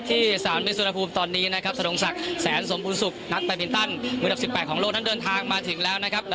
ที่ประเทศเดนมาร์ครับติดตามครับ